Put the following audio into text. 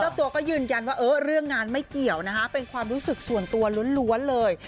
ตัวก็ยืนยันว่าเรื่องงานไม่เกี่ยวนะคะเป็นความรู้สึกส่วนตัวล้วนเลย